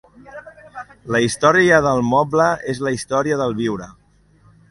La història del moble és la història del viure.